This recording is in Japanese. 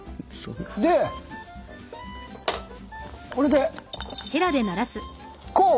でこれでこう！